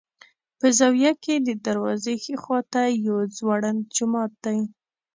په زاویه کې د دروازې ښي خوا ته یو ځوړند جومات دی.